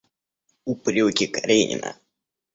Упреки Каренина.